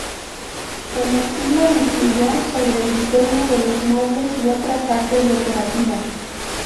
El estilo influyó sobre el diseño de los muebles y otras artes decorativas.